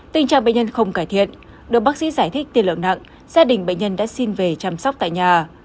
tình trạng bệnh nhân không cải thiện được bác sĩ giải thích tiền lượng nặng gia đình bệnh nhân đã xin về chăm sóc tại nhà